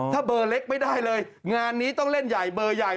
ถ้าเบอร์เล็กไม่ได้เลยงานนี้ต้องเล่นใหญ่เบอร์ใหญ่